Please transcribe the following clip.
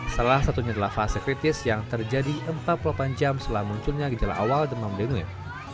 salah satunya adalah fase kritis yang terjadi empat puluh delapan jam setelah munculnya gejala awal demam dengung